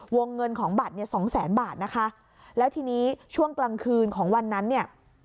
วงเงินของบัตรเนี่ยสองแสนบาทนะคะแล้วทีนี้ช่วงกลางคืนของวันนั้นเนี่ย